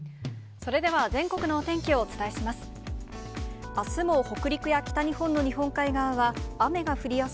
それでは、全国のお天気をお伝えします。